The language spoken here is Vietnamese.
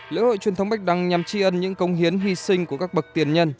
lễ hội truyền thống bạch đăng nhằm tri ân những công hiến hy sinh của các bậc tiền nhân